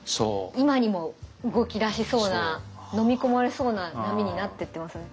今にも動きだしそうなのみ込まれそうな波になってってますよね。